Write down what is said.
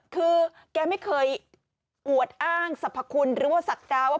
คือแกไม่เคยอวดอ้างสรรพคุณหรือว่าศักดาว่า